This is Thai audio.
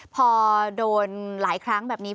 พอโดนหลายครั้งแบบนี้